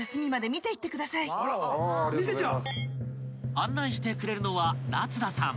［案内してくれるのはナツダさん］